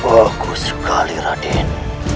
bagus sekali raden